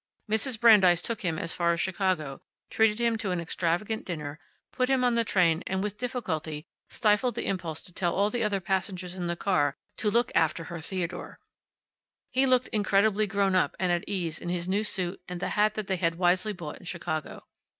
Mrs. Brandeis took him as far as Chicago, treated him to an extravagant dinner, put him on the train and with difficulty stifled the impulse to tell all the other passengers in the car to look after her Theodore. He looked incredibly grown up and at ease in his new suit and the hat that they had wisely bought in Chicago.